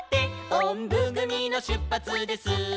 「おんぶぐみのしゅっぱつです」